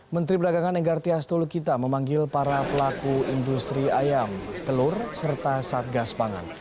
menteri peragangan enggar tias tulu kita memanggil para pelaku industri ayam telur serta satgas pangan